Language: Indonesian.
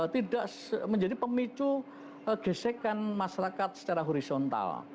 tidak menjadi pemicu gesekan masyarakat secara horizontal